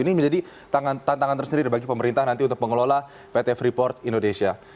ini menjadi tantangan tersendiri bagi pemerintah nanti untuk mengelola pt freeport indonesia